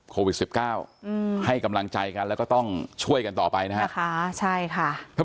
โควิดสิบเก้าอืมให้กำลังใจกันแล้วก็ต้องช่วยกันต่อไปนะฮะค่ะใช่ค่ะ